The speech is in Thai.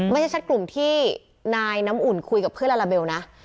ไม่ใช่ชัดกลุ่มที่นายน้ำอุ่นคุยกับเพื่อนลาลาเบลนะ